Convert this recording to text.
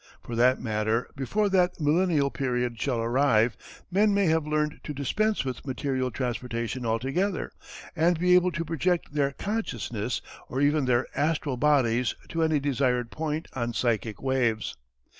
For that matter before that millennial period shall arrive men may have learned to dispense with material transportation altogether, and be able to project their consciousness or even their astral bodies to any desired point on psychic waves.